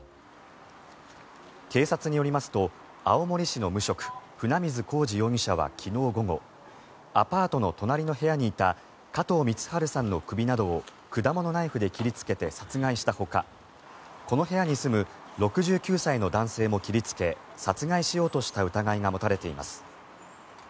警察によりますと青森市の無職船水公慈容疑者は昨日午後アパートの隣の部屋にいた加藤光晴さんの首などを果物ナイフで切りつけて殺害したほかこの部屋に住む６９歳の男性も切りつけ殺害しようとした疑いが持たれています。